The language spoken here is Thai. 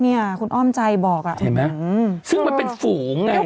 เนี่ยคุณอ้อมใจบอกอะซึ่งมันเป็นฝูงไง